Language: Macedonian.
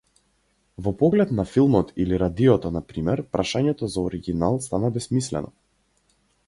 Во поглед на филмот или радиото, на пример, прашањето за оригинал стана бесмислено.